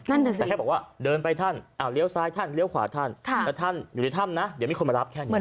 นั่นแหละสิแต่แค่บอกว่าเดินไปท่านเลี้ยวซ้ายท่านเลี้ยวขวาท่านแต่ท่านอยู่ในถ้ำนะเดี๋ยวมีคนมารับแค่นี้